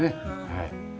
はい。